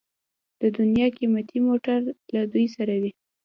د دنیا قیمتي موټر له دوی سره وي.